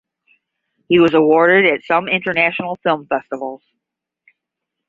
He was awarded at some international film festivals.